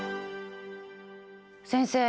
先生